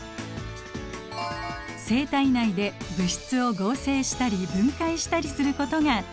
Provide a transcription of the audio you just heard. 生体内で物質を合成したり分解したりすることが代謝です。